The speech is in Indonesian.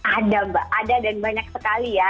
ada mbak ada dan banyak sekali ya